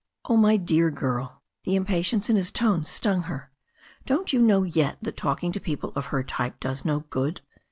"Oh, my dear girl" — the impatience in his tone stung her —"don't you know yet that talking to people of her type does no good.